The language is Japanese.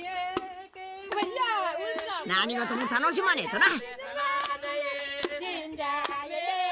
何事も楽しまねぇとな。